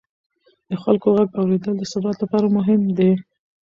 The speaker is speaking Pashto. د خلکو غږ اورېدل د ثبات لپاره مهم دي